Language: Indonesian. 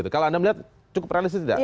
kalau anda melihat cukup realistis tidak